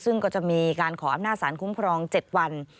ซึ่งก็จะมีการขออำนาจสารคุ้มครอง๗วัน